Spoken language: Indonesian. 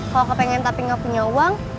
kalau kepengen tapi nggak punya uang